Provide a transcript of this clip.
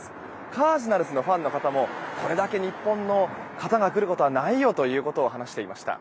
カージナルスのファンの方もこれだけ日本の方が来ることはないよと話していました。